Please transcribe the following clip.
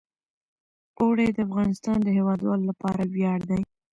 اوړي د افغانستان د هیوادوالو لپاره ویاړ دی.